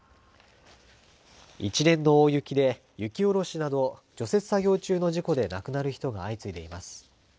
一連の大雪で雪下ろしなど除雪作業中の事故で亡くなる人が相次いでいます。